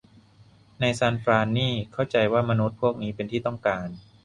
ในซานฟรานนี่เข้าใจว่ามนุษย์พวกนี้เป็นที่ต้องการ